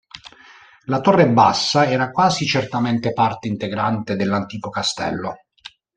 La Torre Bassa era quasi certamente parte integrante dell'antico castello.